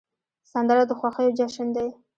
سندره د خوښیو جشن دی